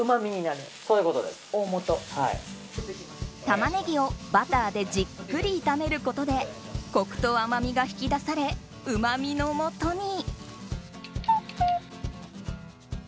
タマネギをバターでじっくり炒めることでコクと甘みが引き出されうまみのもとに。